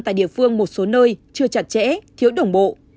tại địa phương một số nơi chưa chặt chẽ thiếu đồng bộ